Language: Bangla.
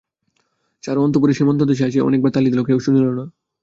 চারু অন্তঃপুরের সীমান্তদেশে আসিয়া অনেকবার তালি দিল, কেহ শুনিল না।